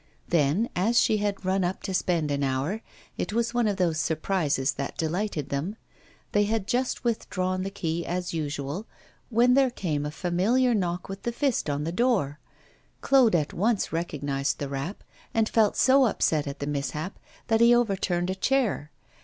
Then, as she had run up to spend an hour it was one of those surprises that delighted them they had just withdrawn the key, as usual, when there came a familiar knock with the fist on the door. Claude at once recognised the rap, and felt so upset at the mishap that he overturned a chair.